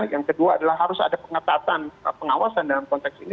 yang kedua adalah harus ada pengetatan pengawasan dalam konteks ini